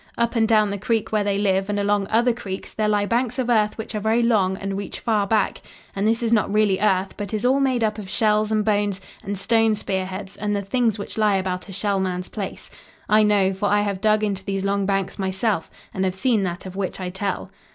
Up and down the creek where they live and along other creeks there lie banks of earth which are very long and reach far back. And this is not really earth, but is all made up of shells and bones and stone spearheads and the things which lie about a Shell Man's place. I know, for I have dug into these long banks myself and have seen that of which I tell.